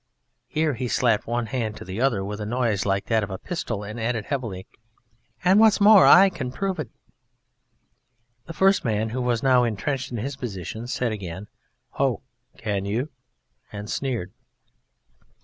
Here he slapped one hand on to the other with a noise like that of a pistol, and added heavily: "And what's more, I can prove it." The first man, who was now entrenched in his position, said again, "Ho! Can you?" and sneered.